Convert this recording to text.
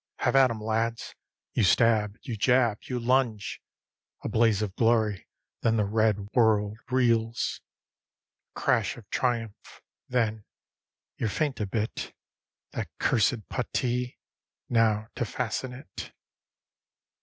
HAVE AT 'EM, LADS! You stab, you jab, you lunge; A blaze of glory, then the red world reels. A crash of triumph, then ... you're faint a bit ... That cursed puttee! Now to fasten it.